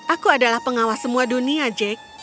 aku adalah pengawas semua dunia jack